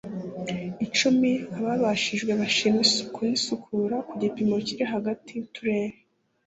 Icumi ababajijwe bashima isuku n isukura ku gipimo kiri hagati y uturere